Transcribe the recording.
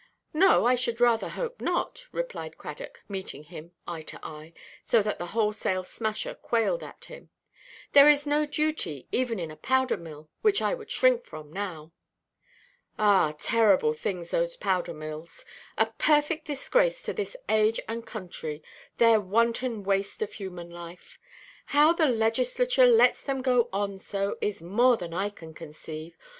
"No, I should rather hope not," replied Cradock, meeting him eye to eye, so that the wholesale smasher quailed at him; "there is no duty, even in a powder–mill, which I would shrink from now." "Ah, terrible things, those powder–mills! A perfect disgrace to this age and country, their wanton waste of human life. How the Legislature lets them go on so, is more than I can conceive.